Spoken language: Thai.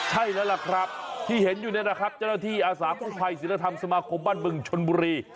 ใช่แล้วล่ะครับที่เห็นอยู่เนี่ยนะครับเจ้าหน้าที่อาสากู้ภัยศิลธรรมสมาคมบ้านบึงชนบุรี